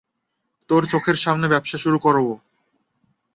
তোর চোখের সামনে ব্যবসা শুরু করর।